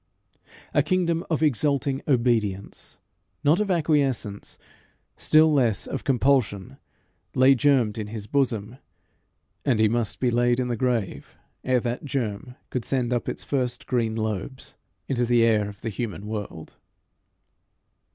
A kingdom of exulting obedience, not of acquiescence, still less of compulsion, lay germed in his bosom, and he must be laid in the grave ere that germ could send up its first green lobes into the air of the human world.